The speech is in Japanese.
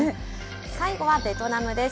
最後はベトナムです。